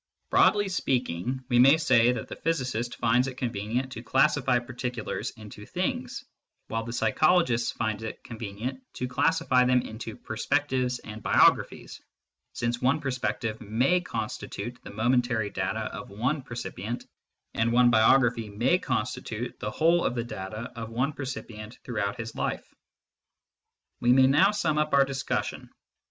Broadly speaking, we may say that the physicist finds it convenient to classify particulars into " things," while the psychologist finds it convenient to classify them into " perspectives " and " biographies," since one perspective may constitute the momentary data of one percipient, and one biography may constitute the whole of the data of one percipient throughout his life. We may now sum up our discussion.